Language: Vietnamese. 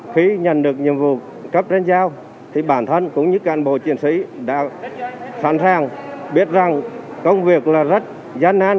khi nhận được nhiệm vụ cấp trên giao thì bản thân cũng như cán bộ chiến sĩ đã sẵn sàng biết rằng công việc là rất gian nan